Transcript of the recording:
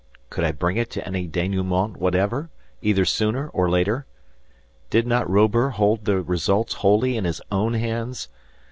Could I bring it to any denouement whatever, either sooner or later? Did not Robur hold the results wholly in his own hands?